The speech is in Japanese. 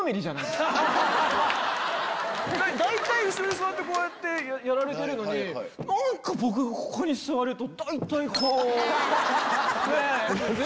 大体後ろに座ってこうやってやられてるのに僕がここに座ると大体こう。